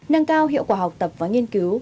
nâng cao hiệu quả học tập và nghiên cứu